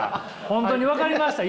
本当に分かりました？